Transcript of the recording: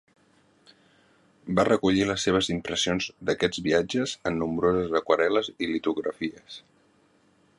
Va recollir les seves impressions d'aquests viatges en nombroses aquarel·les i litografies.